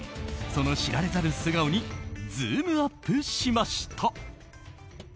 その知られざる素顔にズームアップしました。